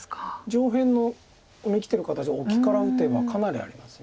上辺の生きてる形オキから打てばかなりあります。